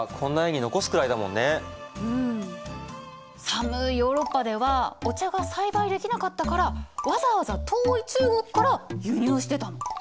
寒いヨーロッパではお茶が栽培できなかったからわざわざ遠い中国から輸入してたの。